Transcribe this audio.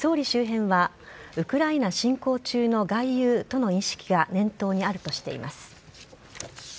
総理周辺はウクライナ侵攻中の外遊との意識が念頭にあるとしています。